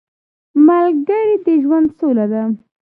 ملګری د ژوند سوله ده